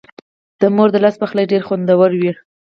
د مور د لاس پخلی ډېر خوندور وي.